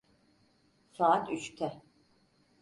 Saat üçte.